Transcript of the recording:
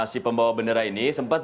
si pembawa bendera ini sempat